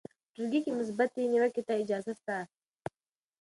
په ټولګي کې مثبتې نیوکې ته اجازه سته.